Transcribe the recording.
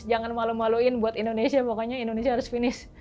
jangan malu maluin buat indonesia pokoknya indonesia harus finish